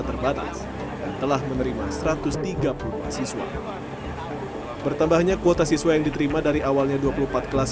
terbatas dan telah menerima satu ratus tiga puluh dua siswa bertambahnya kuota siswa yang diterima dari awalnya dua puluh empat kelas